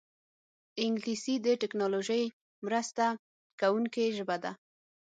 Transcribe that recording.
انګلیسي د ټیکنالوژۍ مرسته کوونکې ژبه ده